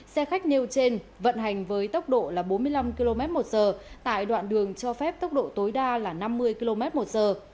xe khách nêu trên vận hành với tốc độ là bốn mươi năm km một giờ tại đoạn đường cho phép tốc độ tối đa là năm mươi km một giờ